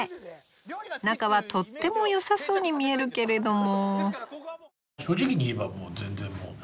仲はとってもよさそうに見えるけれども。